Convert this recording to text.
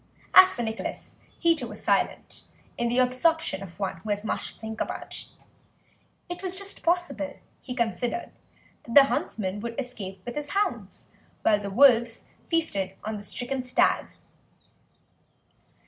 As for Nicholas, he, too, was silent, in the absorption of one who has much to think about; it was just possible, he considered, that the huntsman would escape with his hounds while the wolves feasted on the stricken stag.